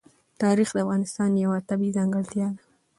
تاریخ د افغانستان یوه طبیعي ځانګړتیا ده.